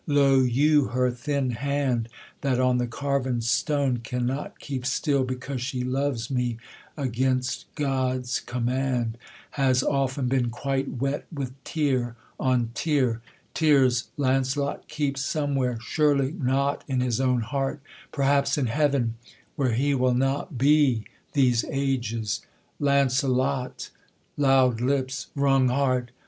lo you her thin hand, That on the carven stone can not keep still, Because she loves me against God's command, Has often been quite wet with tear on tear, Tears Launcelot keeps somewhere, surely not In his own heart, perhaps in Heaven, where He will not be these ages.' 'Launcelot! Loud lips, wrung heart!